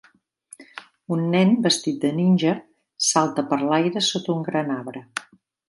Un nen vestit de ninja salta per l'aire sota un gran arbre.